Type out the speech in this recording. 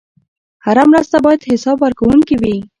هره مرسته باید حسابورکونکې وي.